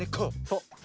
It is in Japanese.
そう。